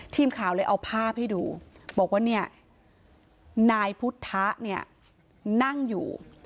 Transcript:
ทีมข่าวเลยเอาภาพให้ดูบอกว่านายพุทธะนั่งอยู่